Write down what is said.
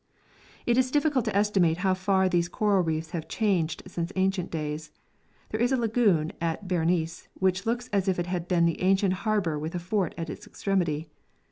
It is difficult to estimate how far these coral reefs have changed since ancient days; there is a lagoon at Berenice which looks as if it had been the ancient harbour with a fort at its extremity.